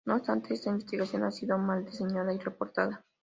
No obstante, esta investigación ha sido mal diseñada y reportada.